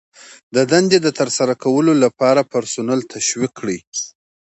د دندې د ترسره کولو لپاره پرسونل تشویق کړئ.